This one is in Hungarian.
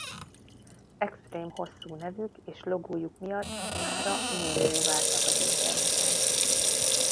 Extrém hosszú nevük és logójuk miatt mára mémmé váltak az interneten.